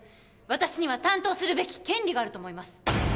私には担当するべき権利があると思います